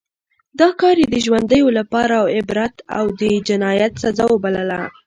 دا کار یې د ژوندیو لپاره عبرت او د جنایت سزا وبلله.